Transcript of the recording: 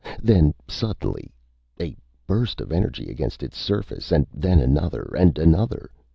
Then suddenly A burst of energy against its surface, and then another, and another.